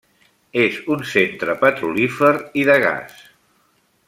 És un centre petrolífer i de gas.